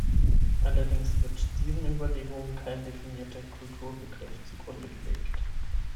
Allerdings wird diesen Überlegungen kein definierter Kulturbegriff zugrunde gelegt.